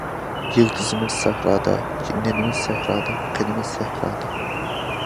يىلتىزىمىز سەھرادا، نېنىمىز سەھرادا، قېنىمىز سەھرادا.